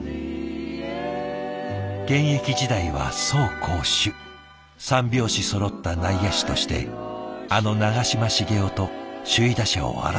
現役時代は走攻守三拍子そろった内野手としてあの長嶋茂雄と首位打者を争ったことも。